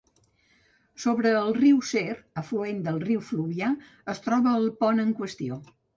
Sobre el riu Ser, afluent del riu Fluvià, es troba el pont en qüestió.